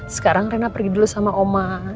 sekarang rena pergi dulu sama oman